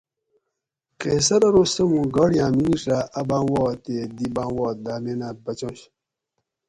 قیصر ارو سہۤ موں گاڑیاں میمیڄہ اۤ باۤم وا تی دی باۤم وا دامینہ بچںش